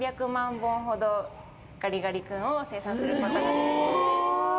ガリガリ君を生産することができます。